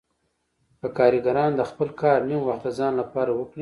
که کارګران د خپل کار نیم وخت د ځان لپاره وکړي